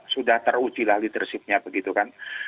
sudah teruji lah leadershipnya begitu kan